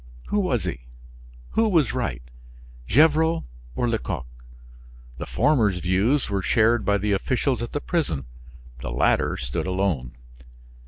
Who was he? Who was right, Gevrol or Lecoq? The former's views were shared by the officials at the prison; the latter stood alone.